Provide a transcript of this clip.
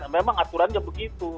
memang aturannya begitu